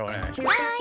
はい。